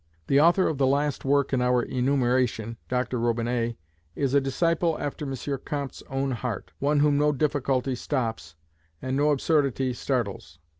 The author of the last work in our enumeration, Dr Robinet, is a disciple after M. Comte's own heart; one whom no difficulty stops, and no absurdity startles.